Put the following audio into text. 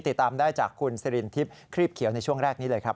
ติดตามได้จากคุณสิรินทิพย์ครีบเขียวในช่วงแรกนี้เลยครับ